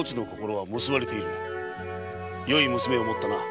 よい娘をもったな。